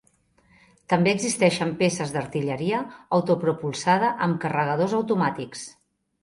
També existeixen peces d'artilleria autopropulsada amb carregadors automàtics.